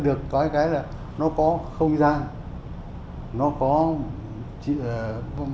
nước búp bê được có cái là nó có không gian nó có ba dòng vườn nhưng nó cũng có nền lạnh hay mềm